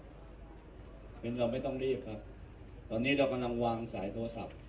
เพราะฉะนั้นเราไม่ต้องรีบครับตอนนี้เรากำลังวางสายโทรศัพท์